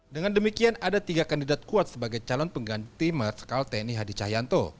dengan demikian ada tiga kandidat kuat sebagai calon pengganti marskal tni hadi cahyanto